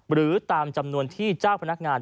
หรือตามจำนวนที่เจ้าพนักงาน